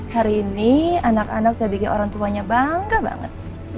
hari ini anak anak dari orang tuanya bangga banget